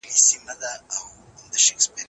ناسالم خواړه د ستړیا لامل ګرځي.